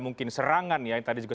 mungkin serangan ya yang tadi juga